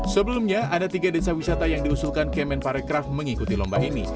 sebelumnya ada tiga desa wisata yang diusulkan kemen parekraf mengikuti lomba ini